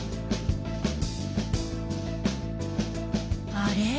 あれ？